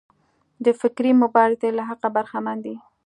د فکري مبارزې له حقه برخمن دي.